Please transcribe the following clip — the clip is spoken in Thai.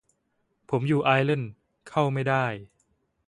ผมอยู่ไอร์แลนด์ เข้าไม่ได้